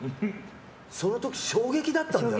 その時衝撃だったんじゃない？